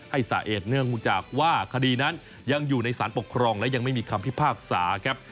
สาเหตุเนื่องจากว่าคดีนั้นยังอยู่ในสารปกครองและยังไม่มีคำพิพากษาครับ